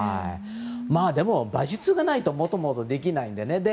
でも、馬術ができないともともとできないんでね。